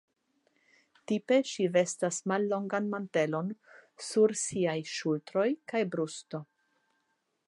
Tipe ŝi vestas mallongan mantelon sur siaj ŝultroj kaj brusto.